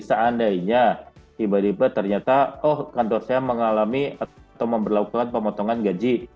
seandainya tiba tiba ternyata oh kantor saya mengalami atau memperlakukan pemotongan gaji